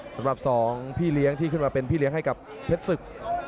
สำหรับสองพี่เลี้ยงที่ขึ้นมาเป็นพี่เลี้ยงให้กับเพชรศึก